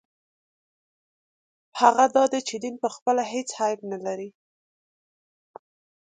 هغه دا دی چې دین پخپله هېڅ عیب نه لري.